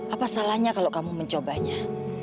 apa salahnya kalau kamu mencobanya